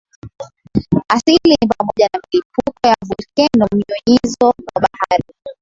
asili ni pamoja na milipuko ya volkeno mnyunyizo wa bahari